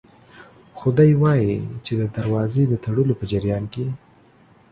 خو دی وايي چې د دروازې د تړلو په جریان کې